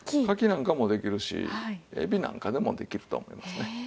カキなんかもできるしエビなんかでもできると思いますね。